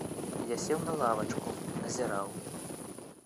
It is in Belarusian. Я сеў на лавачку, назіраў.